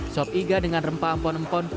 sop iga dengan rempah empon empon